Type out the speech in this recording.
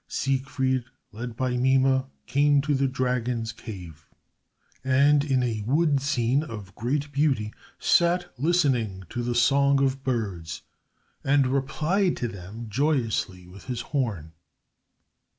Siegfried, led by Mime, came to the dragon's cave, and, in a wood scene of great beauty, sat listening to the song of birds, and replied to them joyously with his horn.